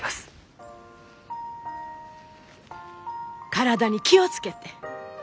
体に気を付けて。